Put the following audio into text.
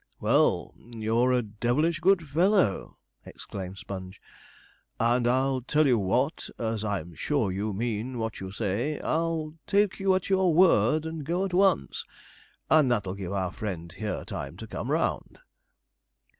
'Well, you're a devilish good fellow!' exclaimed Sponge; 'and I'll tell you what, as I'm sure you mean what you say, I'll take you at your word and go at once; and that'll give our friend here time to come round.'